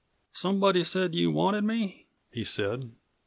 "Somebody said you wanted me," he said.